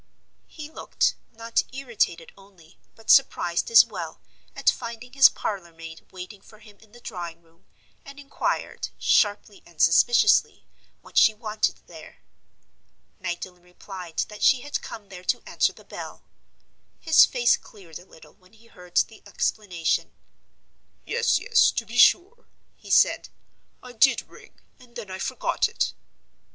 He looked, not irritated only, but surprised as well, at finding his parlor maid waiting for him in the drawing room, and inquired, sharply and suspiciously, what she wanted there? Magdalen replied that she had come there to answer the bell. His face cleared a little when he heard the explanation. "Yes, yes; to be sure," he said. "I did ring, and then I forgot it."